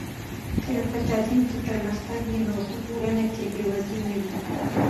که په تعلیم کې پرمختګ وي نو په ټولنه کې بې وزلي نه وي.